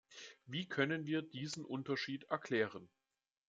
Wie können wir diesen Unterschied erklären?